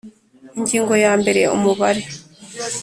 Ingingo ya mbere Umubare